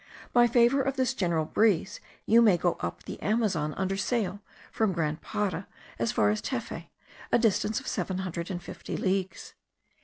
By favour of this general breeze you may go up the Amazon under sail, from Grand Para as far as Tefe, a distance of seven hundred and fifty leagues.